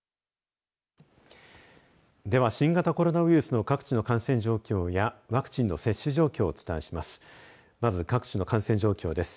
では、新型コロナウイルスの各地の感染状況やワクチンの接種状況をお伝えします。